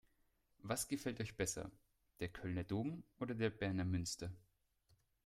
Was gefällt euch besser: Der Kölner Dom oder der Berner Münster?